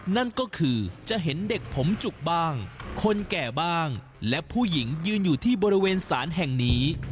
นั่นก็คือจะเห็นเด็กผมจุกบ้างคนแก่บ้างและผู้หญิงยืนอยู่ที่บริเวณศาลแห่งนี้